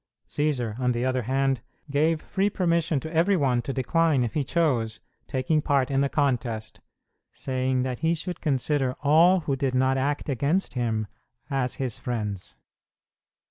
Cćsar, on the other hand, gave free permission to every one to decline, if he chose, taking any part in the contest, saying that he should consider all who did not act against him as his friends.